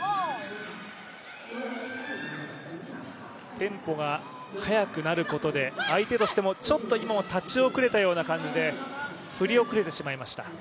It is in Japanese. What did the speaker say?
テンポが速くなることで相手としてもちょっと今も立ち遅れたような形で振り遅れてしまいました。